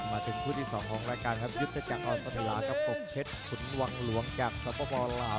มาถึงคู่ที่๒ของรายการยุทธจักรอสมิลากับปกเทศขุนวังหลวงกับสปปลาว